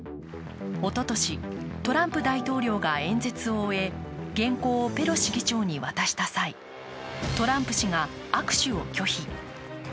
おととし、トランプ大統領が演説を終え、原稿をペロシ議長に渡した際、トランプ氏が握手を拒否。